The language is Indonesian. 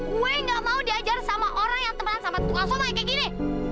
gue nggak mau diajar sama orang yang temenan sama tukang soma kayak gini